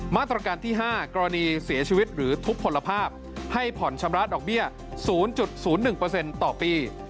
มาตรการที่๕กรณีเสียชีวิตหรือทุบผลภาพให้ผ่อนชำระดอกเบี้ย๐๐๑ต่อปี